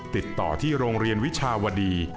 ติดต่อที่โรงเรียนวิชาวดี